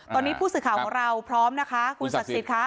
ตอนนี้ผู้สื่อข่าวของเราพร้อมนะคะคุณศักดิ์สิทธิ์ค่ะ